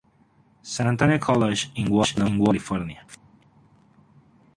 San Antonio College en Walnut, California.